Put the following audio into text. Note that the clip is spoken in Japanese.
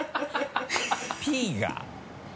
Ｐが。